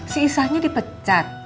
si isahnya dipecat